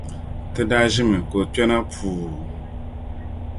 Ti daa ʒimi ka o kpɛna puu.